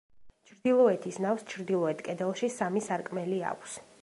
ჩრდილოეთის ნავს ჩრდილოეთ კედელში სამი სარკმელი აქვს.